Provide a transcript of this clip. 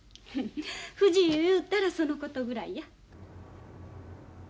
不自由いうたらそのことぐらいや。